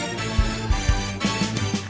kita pindah lagi yuk